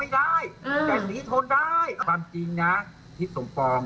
อันนี้คือไม่ได้เข้าข้างทฤษภพรองนะ